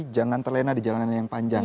jangan terlena di jalanan yang panjang